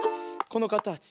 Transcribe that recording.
このかたち。